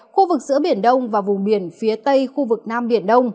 khu vực giữa biển đông và vùng biển phía tây khu vực nam biển đông